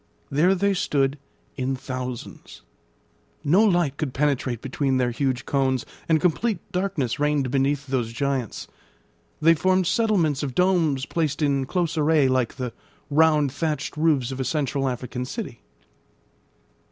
There they stood in thousands. No light could penetrate between their huge cones, and complete darkness reigned beneath those giants; they formed settlements of domes placed in close array like the round, thatched roofs of a central African city.